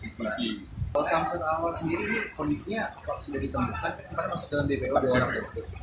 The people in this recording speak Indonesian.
kalau samsul anwar sendiri kondisinya apakah sudah ditemukan